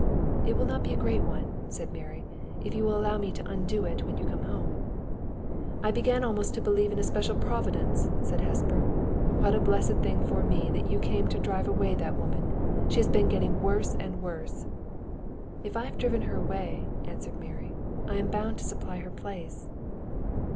"It will not be a great one," said Mary, "if you will allow me to undo it when you come home." "I begin almost to believe in a special providence," said Hesper. "What a blessed thing for me that you came to drive away that woman! She has been getting worse and worse." "If I have driven her away," answered Mary, "I am bound to supply her place."